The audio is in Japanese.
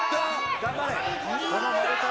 頑張れ。